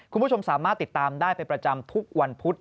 คุณผู้ชมสามารถติดตามได้เป็นประจำทุกวันพุธ